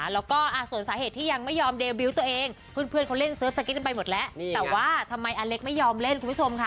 แล้วก็ส่วนสาเหตุที่ยังไม่ยอมเดบิวต์ตัวเอง